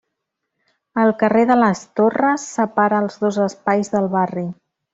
El carrer de les Torres separa els dos espais del barri.